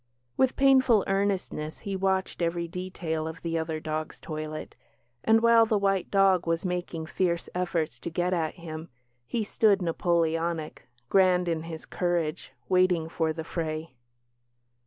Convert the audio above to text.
With painful earnestness he watched every detail of the other dog's toilet; and while the white dog was making fierce efforts to get at him, he stood Napoleonic, grand in his courage, waiting for the fray.